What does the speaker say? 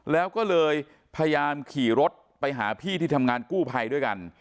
แล้วก็เลยพยายามขี่รถไปหาพี่ที่ทำงานกู้ภัยด้วยกัน